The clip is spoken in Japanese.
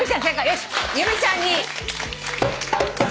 よし由美ちゃんに。